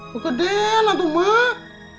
kok gedean atuh mak